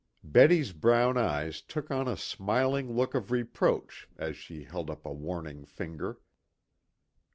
Betty's brown eyes took on a smiling look of reproach as she held up a warning finger.